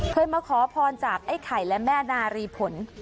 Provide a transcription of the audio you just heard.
เคยมาขอพรจากไอ้ไข่และแม่นารีผล